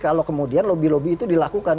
kalau kemudian lobby lobby itu dilakukan